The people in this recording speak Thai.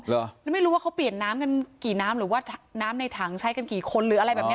หรือไม่รู้ว่าเขาเปลี่ยนน้ำกันกี่น้ำหรือว่าน้ำในถังใช้กันกี่คนหรืออะไรแบบนี้